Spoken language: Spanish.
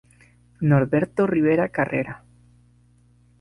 Norberto Rivera Carrera.